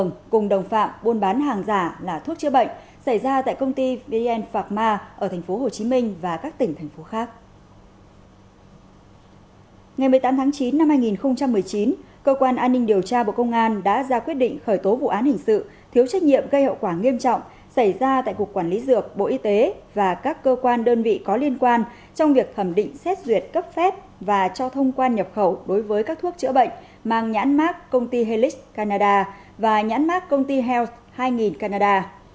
năm tháng chín năm hai nghìn một mươi chín cơ quan an ninh điều tra bộ công an đã ra quyết định khởi tố vụ án hình sự thiếu trách nhiệm gây hậu quả nghiêm trọng xảy ra tại cục quản lý dược bộ y tế và các cơ quan đơn vị có liên quan trong việc thẩm định xét duyệt cấp phép và cho thông quan nhập khẩu đối với các thuốc chữa bệnh mang nhãn mark công ty helix canada và nhãn mark công ty health hai nghìn canada